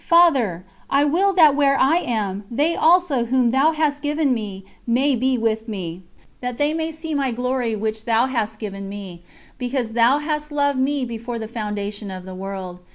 Father, I will that where I am they also whom Thou hast given me may be with me, that they may see my glory which Thou hast given me, because Thou hast loved me before the foundation of the world.